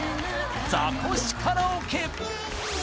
ザコシカラオケ！